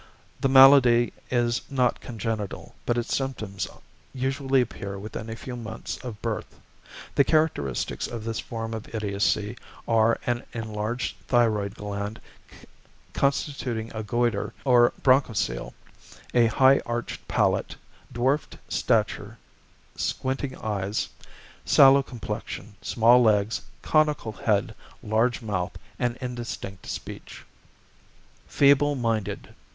The malady is not congenital, but its symptoms usually appear within a few months of birth. The characteristics of this form of idiocy are an enlarged thyroid gland constituting a goitre or bronchocele, a high arched palate, dwarfed stature, squinting eyes, sallow complexion, small legs, conical head, large mouth, and indistinct speech. =Feeble Minded.